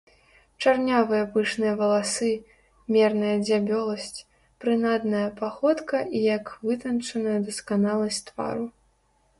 Чарнявыя пышныя валасы, мерная дзябёласць, прынадная паходка і як вытанчаная дасканаласць твару.